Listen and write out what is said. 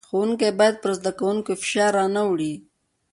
ښوونکی بايد پر زدکوونکو فشار را نۀ وړي.